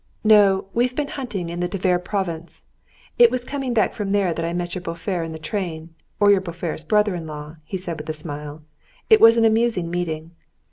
"No, we've been hunting in the Tver province. It was coming back from there that I met your beau frère in the train, or your beau frère's brother in law," he said with a smile. "It was an amusing meeting."